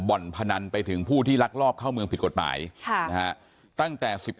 บ่อนพนันไปถึงผู้ที่ลักลอบเข้าเมืองผิดกฎหมายค่ะนะฮะตั้งแต่๑๑